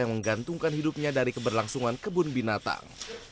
yang menggantungkan hidupnya dari keberlangsungan kebun binatang